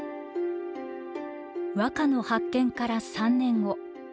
和歌の発見から３年後。